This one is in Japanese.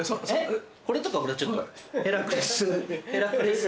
これとかほらちょっとヘラクレス。